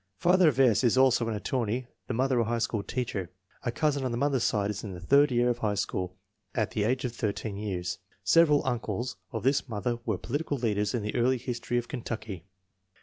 Father of S. is also an attorney, the mother a high school teacher. A cousin on the mother's side is in the third year of high school at the age of 13 years. Several uncles of the mother were political leaders in the early history of Kentucky.